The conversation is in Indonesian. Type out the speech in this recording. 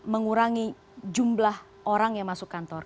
mengurangi jumlah orang yang masuk kantor